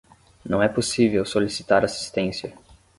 Não é possível solicitar assistência